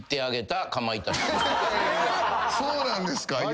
そうなんですか。